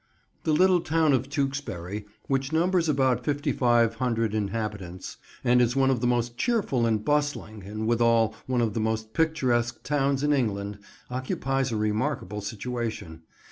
THE little town of Tewkesbury, which numbers about 5500 inhabitants, and is one of the most cheerful and bustling, and withal one of the most picturesque towns in England, occupies a remarkable situation.